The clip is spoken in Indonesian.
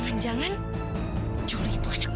bayinya tadi jatuh ya bu